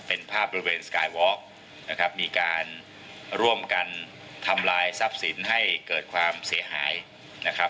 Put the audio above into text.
เป็นภาพบริเวณสกายวอล์กนะครับมีการร่วมกันทำลายทรัพย์สินให้เกิดความเสียหายนะครับ